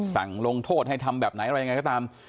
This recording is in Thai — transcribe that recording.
สั่งลงโทษให้ทำแบบไหนอะไรยังไงก็ตาม